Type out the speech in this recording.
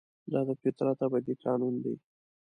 دا د فطرت ابدي قانون دی.